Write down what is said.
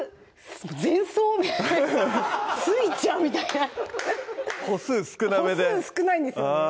前奏みたいな着いちゃうみたいな歩数少なめで歩数少ないんですよね